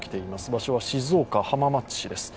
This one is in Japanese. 場所は静岡・浜松市です。